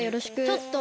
ちょっと！